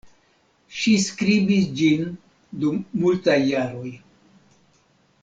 Ŝi skribis ĝin dum multaj jaroj.